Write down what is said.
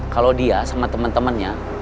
kalau dia sama temen temennya